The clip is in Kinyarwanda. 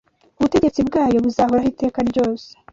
ubutegetsi bwayo buzahoraho iteka ryose